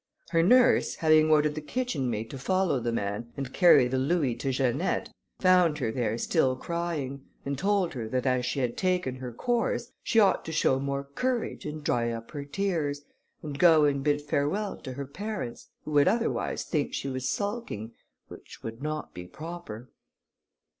Her nurse, having ordered the kitchen maid to follow the man, and carry the louis to Janette, found her there still crying; and told her that as she had taken her course, she ought to show more courage, and dry up her tears, and go and bid farewell to her parents, who would otherwise think she was sulking, which would not be proper.